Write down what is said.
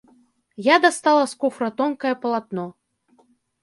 Я дастала з куфра тонкае палатно.